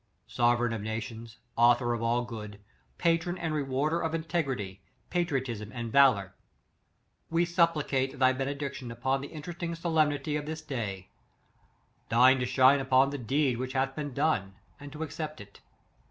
" Sovereign of nations; author of all good; patron and rewarder of integrity, patriot ism and valor, we supplicate thy benedic tion upon the interesting solemnity of this day; deign to smile upon the deed which has been done, and to accept it.